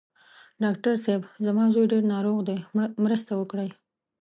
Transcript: ډاکټر صېب! زما زوی ډېر ناروغ دی، مرسته وکړئ.